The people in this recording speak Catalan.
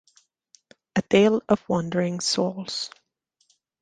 "A Tale of Wandering Souls".